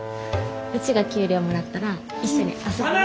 うちが給料もらったら一緒に遊びに。